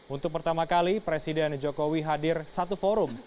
untuk pertama kali presiden jokowi hadir satu forum